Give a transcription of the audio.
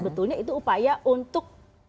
sebetulnya itu upaya untuk